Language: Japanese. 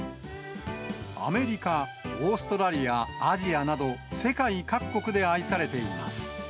アメリカ、オーストラリア、アジアなど、世界各国で愛されています。